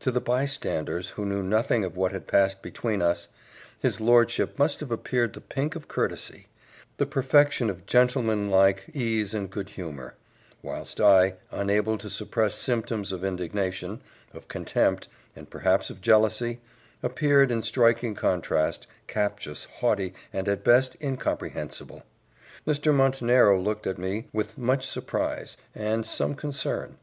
To the by standers, who knew nothing of what had passed between us, his lordship must have appeared the pink of courtesy, the perfection of gentlemanlike ease and good humour; whilst I, unable to suppress symptoms of indignation, of contempt, and perhaps of jealousy, appeared, in striking contrast, captious, haughty, and at best incomprehensible. Mr. Montenero looked at me with much surprise, and some concern.